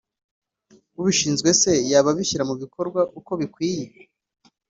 ubishinzwe se yaba abishyira mubikorwa uko bikwiriye